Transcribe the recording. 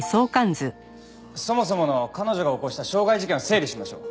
そもそもの彼女が起こした傷害事件を整理しましょう。